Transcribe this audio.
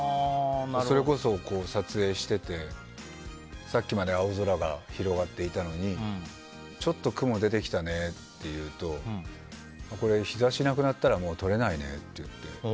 それこそ、撮影しててさっきまで青空が広がっていたのにちょっと雲が出てきたねと言うとこれ、日差しなくなったらもう撮れないねって。